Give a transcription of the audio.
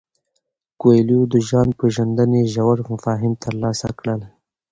کویلیو د ځان پیژندنې ژور مفاهیم ترلاسه کړل.